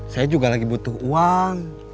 saya juga lagi butuh uang